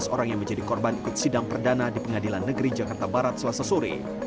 tujuh belas orang yang menjadi korban ikut sidang perdana di pengadilan negeri jakarta barat selasa sore